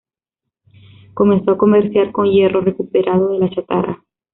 Comenzó a comerciar con hierro recuperado de la chatarra.